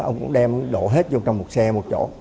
ông cũng đem đổ hết vô trong một xe một chỗ